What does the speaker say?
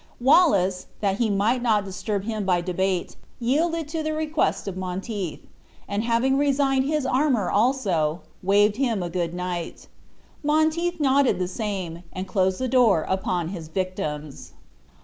Wallace, that he might not disturb him by debate, yielded to the request of Monteith; and having resigned his armor also, waved him a good night. Monteith nodded the same, and closed the door upon his victims.